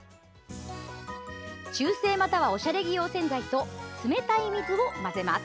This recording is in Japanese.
中性または、おしゃれ着用洗剤と冷たい水を混ぜます。